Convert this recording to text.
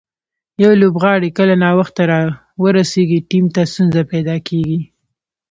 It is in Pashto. یو لوبغاړی کله ناوخته راورسېږي، ټیم ته ستونزه پېدا کیږي.